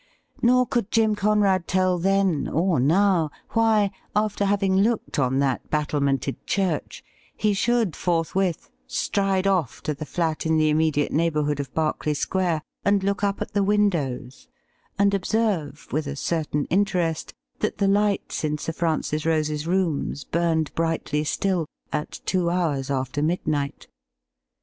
Nor could Jim Conrad tell then, or now, why, after having looked on that battle mented church, he should forthwith stride off to the flat in the immediate neighbourhood of Berkeley Square and look up at the windows, and observe, with a certain interest, that the lights in Sir Francis Rose's rooms burned brightly still, at two hours after midnight.